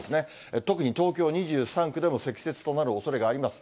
特に東京２３区でも積雪となるおそれがあります。